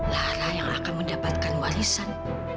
lara yang akan mendapatkan warisan